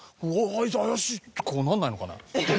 「あいつ怪しい！」ってこうならないのかな？